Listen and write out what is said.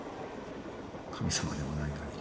神様でもないかぎり。